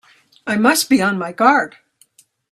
I must be on my guard!